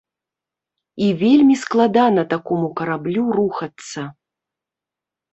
І вельмі складана такому караблю рухацца.